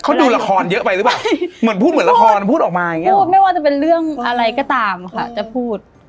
เขาดูละครเยอะไปหรือเปล่าเหมือนพูดเหมือนละครพูดออกมาอย่างเงี้พูดไม่ว่าจะเป็นเรื่องอะไรก็ตามค่ะจะพูด